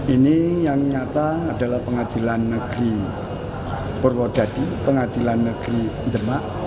ini yang nyata adalah pengadilan negeri purwodadi pengadilan negeri demak